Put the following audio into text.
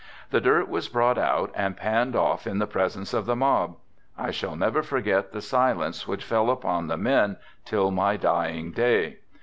The dirt was brought out and panned off in the presence of the mob. I shall never forget the silence which fell upon the men till my dying day.